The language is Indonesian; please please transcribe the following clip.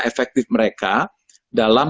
efektif mereka dalam